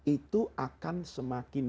itu akan semakin